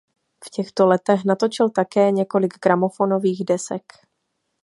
V těchto letech natočil také několik gramofonových desek.